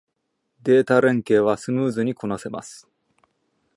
データ連携はスムーズにこなせます